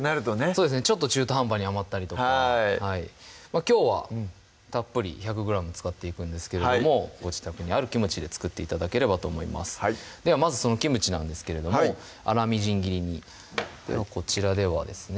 そうですねちょっと中途半端に余ったりとかきょうはたっぷり１００ｇ使っていくんですけれどもご自宅にあるキムチで作って頂ければと思いますではまずそのキムチなんですけれども粗みじん切りにではこちらではですね